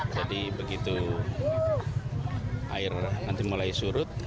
jadi begitu air nanti mulai surut